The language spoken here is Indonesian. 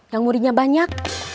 yang muridnya banyak